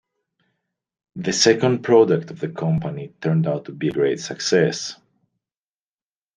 The second product of the company turned out to be a great success.